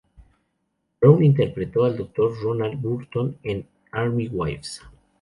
Brown interpretó al Dr. Roland Burton en "Army Wives".